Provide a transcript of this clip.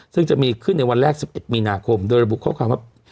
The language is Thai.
ซึ่งจะมีขึ้นในวันแรก๑๑มีนาคมโดยระบุข้อความว่า